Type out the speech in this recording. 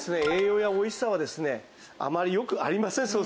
栄養やおいしさはですねあまりよくありません